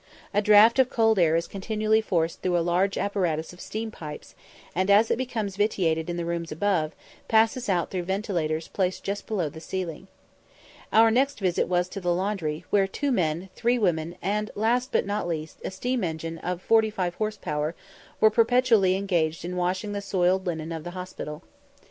A draught of cold air is continually forced through a large apparatus of steam pipes, and, as it becomes vitiated in the rooms above, passes out through ventilators placed just below the ceiling. Our next visit was to the laundry, where two men, three women, and, last but not least, a steam engine of 45 horse power, were perpetually engaged in washing the soiled linen of the hospital.